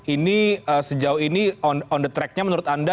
ini sejauh ini on the tracknya menurut anda